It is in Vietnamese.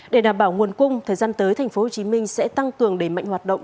để đảm bảo nguồn cung thời gian tới tp hcm sẽ tăng cường đẩy mạnh hoạt động